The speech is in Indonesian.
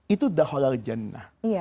itu dahulal jannah